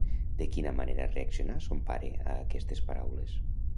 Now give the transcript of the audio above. De quina manera reaccionà son pare a aquestes paraules?